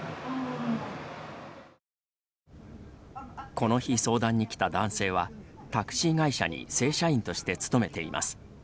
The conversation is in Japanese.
この日、相談に来た男性はタクシー会社に正社員として勤めています。